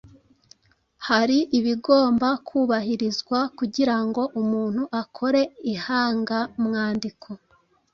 Hari ibigomba kubahirizwa kugira ngo umuntu akore ihangamwandiko